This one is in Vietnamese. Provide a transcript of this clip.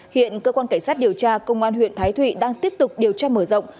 hiện cơ quan cảnh sát điều tra công an huyện thái thụy đang tiếp tục điều tra mở rộng